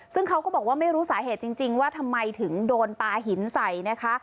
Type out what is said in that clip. ซึ่งเขาก็บอกว่าไม่รู้สาเหตุจริงว่าทำไมถึงโดนปลาหินใส่นะคะ